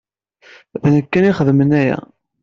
D nekk kan i ixedmen aya.